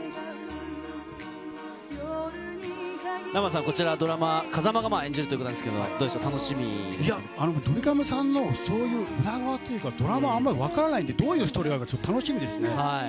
南原さん、こちらのドラマ、風間さんが演じるということなんですが、どうでしょう、楽しみでいや、ドリカムさんのそういう裏側というか、ドラマあんまり分からないんで、どういうストーリーなのか、ちょっと楽しみですね。